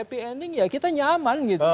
happy ending ya kita nyaman gitu